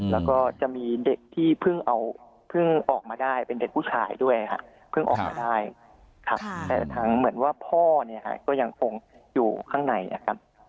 แล้วก็จะมีเด็กที่เพิ่งเอาเพิ่งออกมาได้เป็นเด็กผู้ชายด้วยค่ะเพิ่งออกมาได้ครับแต่ทั้งเหมือนว่าพ่อเนี่ยค่ะก็ยังคงอยู่ข้างในนะครับ